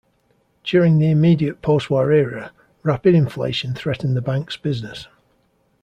During the immediate postwar era, rapid inflation threatened the bank's business.